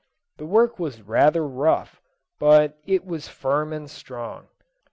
The work was rather rough, but it was firm and strong.